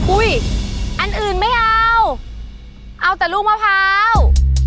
อันอื่นไม่เอาเอาแต่ลูกมะพร้าว